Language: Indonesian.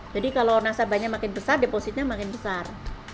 jadi kalau nasabahnya makin besar depositnya makin besar